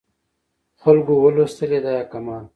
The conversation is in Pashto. خلکو ولوستلې دا یې کمال و.